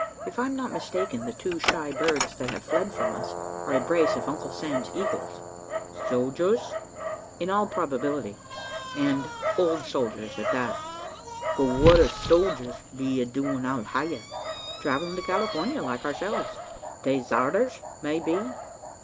"If I am not mistaken, the two shy birds that have fled from us are a brace of uncle Sam's eagles." "Sojers?" "In all probability, and `old sojers' at that." "But what 'ud sojers be a doin' out hyar?" "Travelling to California, like ourselves." "Desarters, may be?"